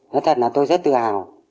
nói thật là tôi rất tự hào